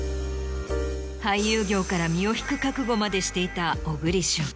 俳優業から身を引く覚悟までしていた小栗旬。